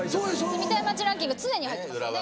住みたい街ランキング常に入ってます。